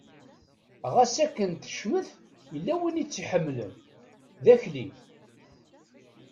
Ɣas akken tecmet yella win i tt-iḥemmlen, d Akli.